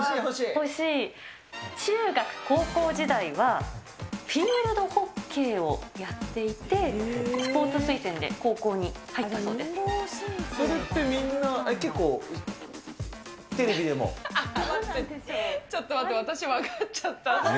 中学、高校時代は、フィールドホッケーをやっていて、スポーツ推薦で高校に入ったそうそれってみんな、結構、ちょっと待って、私、分かっ